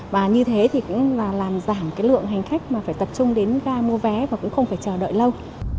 và như thế thì cũng là làm giảm cái lượng hành khách mà phải tập trung đến ga mua vé và cũng không phải chờ đợi lâu